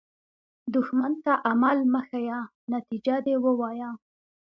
دښمن ته عمل مه ښیه، نتیجه دې ووایه